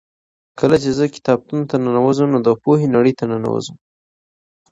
کله چې زه کتابتون ته ننوځم نو د پوهې نړۍ ته ننوځم.